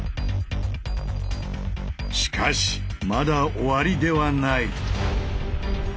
しかしまだ終わりではない。